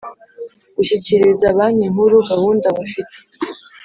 gushyikiriza Banki Nkuru gahunda bafite